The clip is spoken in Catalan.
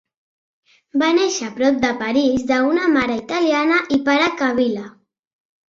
Va néixer prop de París de una mare italiana i pare kabila.